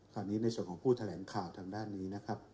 ตอนนี้ในส่วนของผู้แถลงข่าวทางด้านนี้